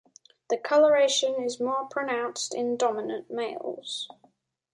The coloration is more pronounced in dominant males.